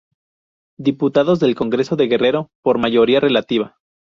Diputados del Congreso de Guerrero por mayoría relativa.